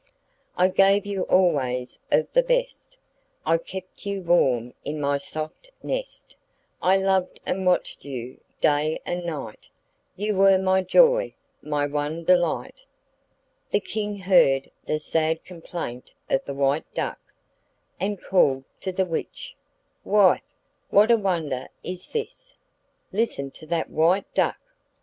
I gave you always of the best; I kept you warm in my soft nest. I loved and watched you day and night You were my joy, my one delight.' The King heard the sad complaint of the White Duck, and called to the witch: 'Wife, what a wonder is this? Listen to that White Duck.